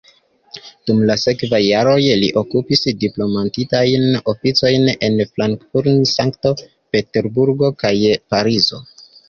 Dum la sekvaj jaroj, li okupis diplomatiajn oficojn en Frankfurt, Sankt-Peterburgo kaj Parizo.